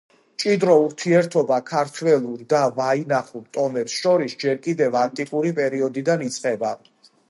მჭიდრო ურთიერთობა ქართველურ და ვაინახურ ტომებს შორის ჯერ კიდევ ანტიკური პერიოდიდან იწყება.